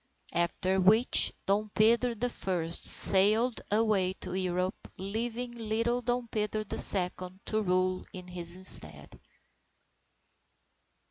After which, Dom Pedro the First, sailed away to Europe, leaving little Dom Pedro the Second, to rule in his stead.